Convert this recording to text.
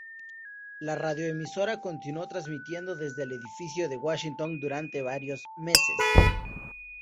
La radioemisora continuó transmitiendo desde el edificio de Westinghouse durante varios meses.